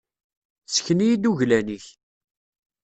Sken-iyi-d uglan-ik.